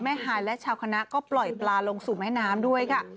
ฮายและชาวคณะก็ปล่อยปลาลงสู่แม่น้ำด้วยค่ะ